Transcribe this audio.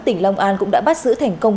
tỉnh long an cũng đã bắt giữ thành công